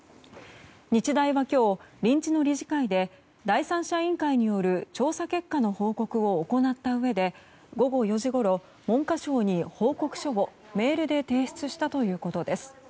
日大は今日、臨時の理事会で第三者委員会による調査結果の報告を行ったうえで午後４時ごろ、文科省に報告書をメールで提出したということです。